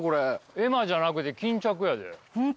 絵馬じゃなくて巾着やで。